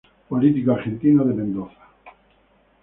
Político argentino de Mendoza.